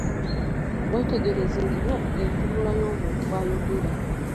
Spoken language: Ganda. Weetegereze nnyo entunula y'omuntu ayogera.